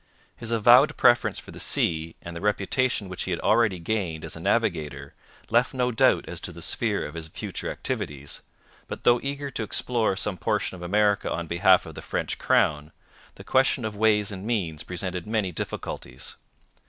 His avowed preference for the sea and the reputation which he had already gained as a navigator left no doubt as to the sphere of his future activities, but though eager to explore some portion of America on behalf of the French crown, the question of ways and means presented many difficulties.